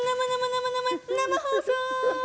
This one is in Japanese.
生生生放送！